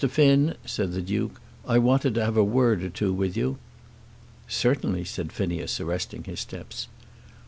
Finn," said the Duke, "I wanted to have a word or two with you." "Certainly," said Phineas, arresting his steps.